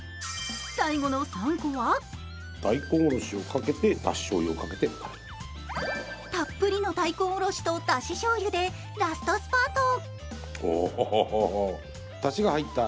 最後の３個はたっぷりの大根おろしと出汁しょうゆでラストスパート。